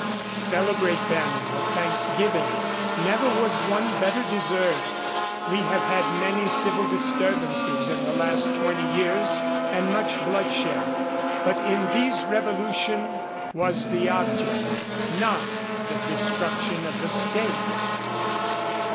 _Celebrate, then, the thanksgiving: never was one better deserved. We have had many civil disturbances in the last twenty years, and much bloodshed; but in these revolution was the object, not the destruction of the State.